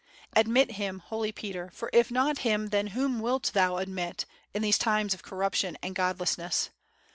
Admit him, Holy Peter, for if not him then whom wilt thou admit, in these times of corruption and god lessness?